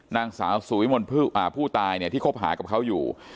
นางสาวสุวิมลผู้ตายเนี่ยที่คบหากับเขาอยู่